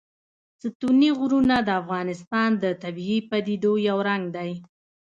ستوني غرونه د افغانستان د طبیعي پدیدو یو رنګ دی.